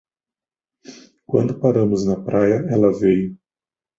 Quando paramos na praia, ela veio.